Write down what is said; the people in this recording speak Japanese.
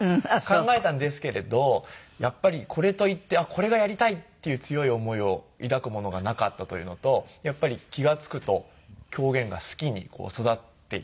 考えたんですけれどやっぱりこれといってこれがやりたいっていう強い思いを抱くものがなかったというのとやっぱり気が付くと狂言が好きに育っていた。